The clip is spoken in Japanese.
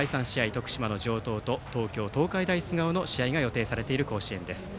徳島の城東と東京・東海大菅生の試合が予定されている甲子園です。